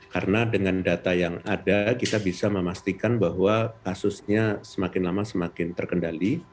karena dengan data yang ada kita bisa memastikan bahwa kasusnya semakin lama semakin terkendali